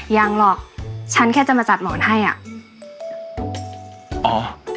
ยังหรอกฉันแค่จะมาจัดหมอนให้อ่ะอ๋อ